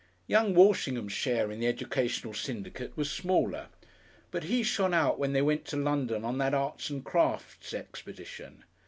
Young Walshingham's share in the educational syndicate was smaller. But he shone out when they went to London on that Arts and Crafts expedition.